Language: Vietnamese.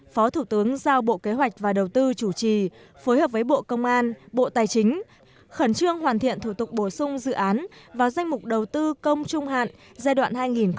phó thủ tướng giao bộ kế hoạch và đầu tư chủ trì phối hợp với bộ công an bộ tài chính khẩn trương hoàn thiện thủ tục bổ sung dự án vào danh mục đầu tư công trung hạn giai đoạn hai nghìn một mươi sáu hai nghìn hai mươi